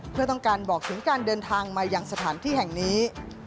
เพื่อต้องการบอกถึงการเดินทางมายังสถานที่แห่งนี้